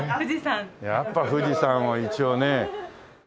やっぱ富士山は一応ね。